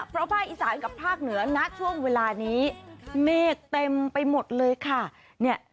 เพราะภาคอีสานกับภาคเหนือณช่วงเวลานี้เมฆเต็มไปหมดเลยค่ะ